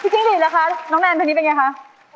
จริงแล้วคะน้องแนนเพลงนี้เป็นยังไงคะ